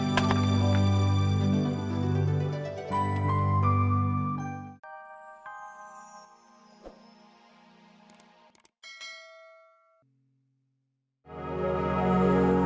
sudahlah sebaiknya kita banyak berdoa